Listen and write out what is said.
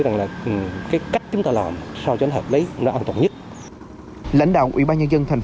rằng là cái cách chúng ta làm sao cho nó hợp lý nó an toàn nhất lãnh đạo ủy ban nhân dân thành